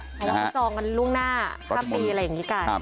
เพราะว่าเขาจองกันล่วงหน้าข้ามปีอะไรอย่างนี้กัน